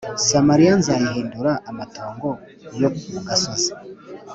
Samariya nzayihindura amatongo yo mu gasozi